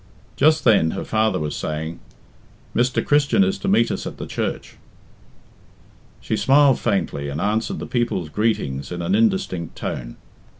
Just then her father was saying, "Mr. Christian is to meet us at the church." She smiled faintly and answered the people's greetings in an indistinct tone.